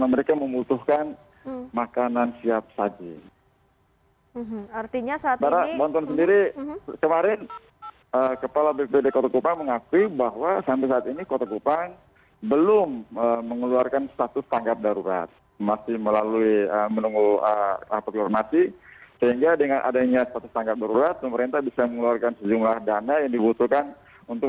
masih belum terangkat